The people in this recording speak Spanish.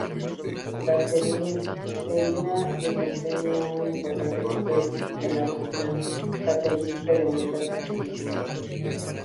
La serina desempeña un importante papel en la función catalítica de muchas enzimas.